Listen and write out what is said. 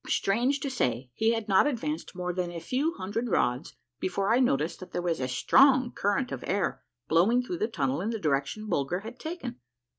Strange to say, he had not advanced more than a few hundred rods before 1 noticed that there was a strong current of air blowing through the tunnel in the direction Bulger had taken.